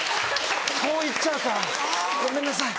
こう行っちゃうかごめんなさい。